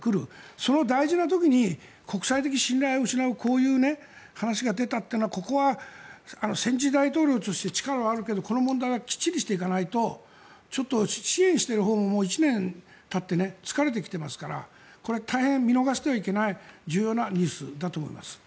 その大事な時に国際的信頼を失うこういう話が出たというのはここは戦時大統領として力はあるけれどこの問題はきっちりしていかないとちょっと支援しているほうももう１年たって疲れてきていますからこれは大変、見逃してはいけない重要なニュースだと思います。